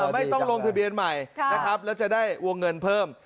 ไม่ต้องลงทะเบียนใหม่นะครับแล้วจะได้วงเงินเพิ่ม